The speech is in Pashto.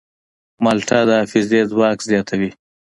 مالټه د حافظې ځواک زیاتوي.